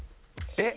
えっ！